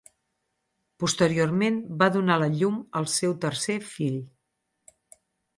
Posteriorment va donar la llum al seu tercer fill.